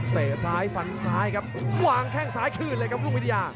เตะซ้ายฟันซ้ายครับวางแข้งซ้ายคืนเลยครับลูกวิทยา